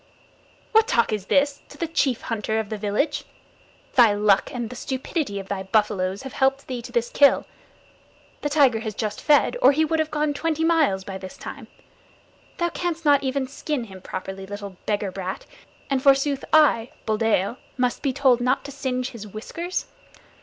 "What talk is this to the chief hunter of the village? Thy luck and the stupidity of thy buffaloes have helped thee to this kill. The tiger has just fed, or he would have gone twenty miles by this time. Thou canst not even skin him properly, little beggar brat, and forsooth I, Buldeo, must be told not to singe his whiskers.